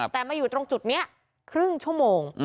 แต่มาอยู่ตรงจุดนี้ครึ่งชั่วโมง